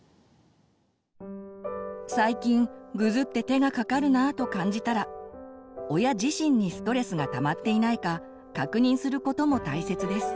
「最近ぐずって手がかかるなあ」と感じたら親自身にストレスがたまっていないか確認することも大切です。